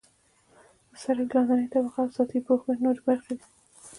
د سرک لاندنۍ طبقه او سطحي پوښښ نورې برخې دي